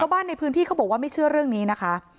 บ้านในพื้นที่เขาบอกว่าไม่เชื่อเรื่องนี้นะคะ